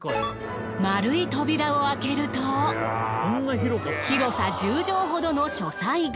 丸い扉を開けると広さ１０畳ほどの書斎が。